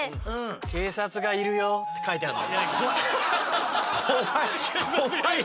「警察がいるよ」って描いてあんの？